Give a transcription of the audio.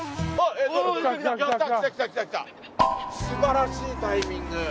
すばらしいタイミング。